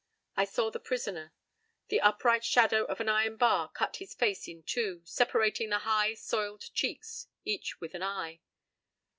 I saw the prisoner. The upright shadow of an iron bar cut his face in two, separating the high, soiled cheeks, each with an eye.